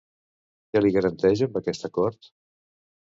Què li garanteix amb aquest acord?